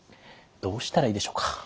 どうしたらいいでしょうか？